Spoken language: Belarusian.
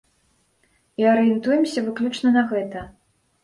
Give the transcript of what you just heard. І арыентуемся выключна на гэта.